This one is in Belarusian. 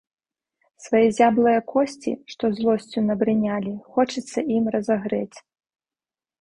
Свае зяблыя косці, што злосцю набрынялі, хочацца ім разагрэць.